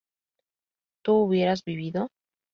¿tú hubieras vivido?